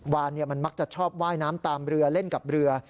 วานมันมักจะชอบว่ายน้ำตามเรือเล่นกับเรือ